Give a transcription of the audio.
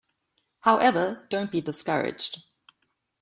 However, don’t be discouraged.